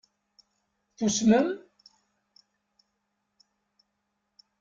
Tusmem?